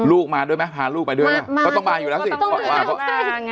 ลูกมาด้วยไหมพาลูกไปด้วยแล้วมามันต้องมาอยู่แล้วสิต้องมางาน